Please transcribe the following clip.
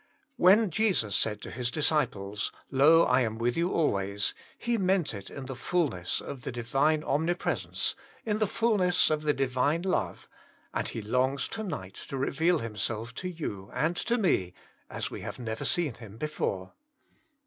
When Jesus said to His disciples, 44 Jesus Bxmself,. "Lo, I am with j^ou always," He meant it in the fullness of the divine Omnipresence, in the fullness of the divine love, and he longs to night to reveal Himself to you and to me as we have never seen Him before.